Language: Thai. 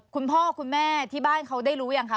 คุณพ่อคุณแม่ที่บ้านเขาได้รู้ยังคะ